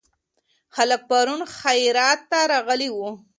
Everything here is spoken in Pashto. خلک پرون خیرات ته راغلي وو.